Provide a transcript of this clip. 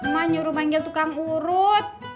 mah nyuruh manggil tukang urut